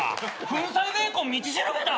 「粉砕ベーコン道しるべ」だ！